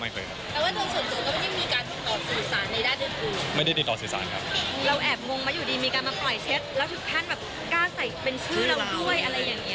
แล้วทุกท่านกล้าใส่เป็นชื่อเราด้วยอะไรแบบนี้ค่ะ